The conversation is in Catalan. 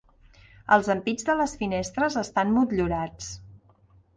Els ampits de les finestres estan motllurats.